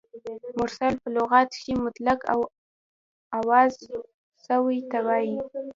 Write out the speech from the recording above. مرسل په لغت کښي مطلق او آزاد سوي ته وايي.